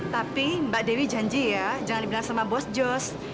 tapi mbak dewi janji ya jangan dibilang sama bos jos